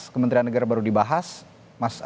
kementerian negara baru dibahas